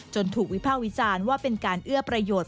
ถูกวิภาควิจารณ์ว่าเป็นการเอื้อประโยชน์